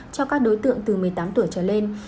cho các đối tượng từ một mươi tám tuổi trở lên